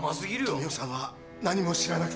富生さんは何も知らなくて。